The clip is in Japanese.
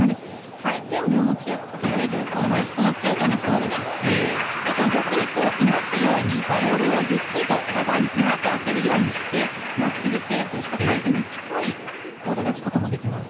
回転量も強くかけられるリストの強さもそうですし逆にいなすようにボールをゆっくりとラバーに長く当てるようにしてナックル性、下回転に近いボールを出すこともできます。